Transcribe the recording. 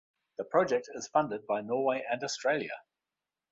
The project is funded by Norway and Australia.